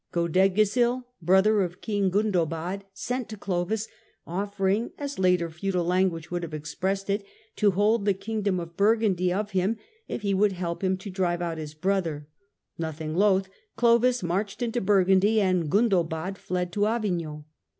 Godegisil, brother of King Gundobad, sent to Clovis offering, as later feudal language would have expressed it, to hold the kingdom of Burgundy of him if he would help him to drive out his brother. Nothing loth, Clovis marched into Burgundy and Gundobad fled to Avignon.